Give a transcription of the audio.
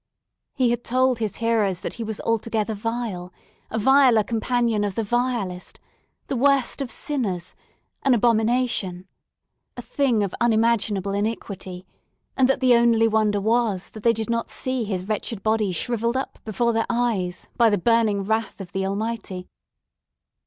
He had told his hearers that he was altogether vile, a viler companion of the vilest, the worst of sinners, an abomination, a thing of unimaginable iniquity, and that the only wonder was that they did not see his wretched body shrivelled up before their eyes by the burning wrath of the Almighty!